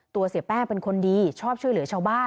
เสียแป้งเป็นคนดีชอบช่วยเหลือชาวบ้าน